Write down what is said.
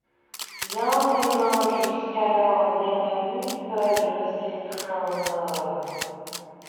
Bien des mains jusqu'alors ennemies peuvent s'étreindre.